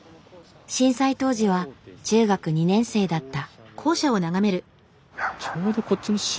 震災当時は中学２年生だった。